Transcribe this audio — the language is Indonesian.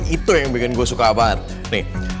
itu yang bikin gue suka banget nih